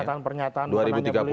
ya dengan pernyataan pernyataan